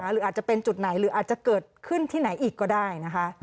หรืออาจจะเป็นจุดไหนหรืออาจจะเกิดขึ้นที่ไหนอีกก็ได้นะคะ